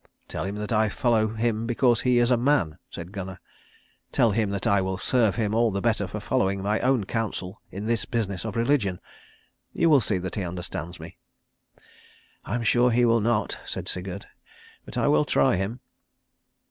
"Tell him that I follow him because he is a man," said Gunnar. "Tell him that I will serve him all the better for following my own counsel in this business of religion. You will see that he understands me." "I am sure he will not," said Sigurd, "but I will try him."